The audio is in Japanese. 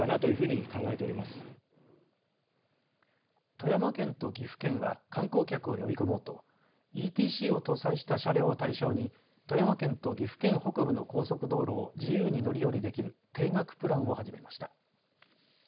富山県と岐阜県は観光客を呼び込もうとＥＴＣを搭載した車両を対象に富山県と岐阜県北部の高速道路を自由に乗り降りできる定額プランを始めました。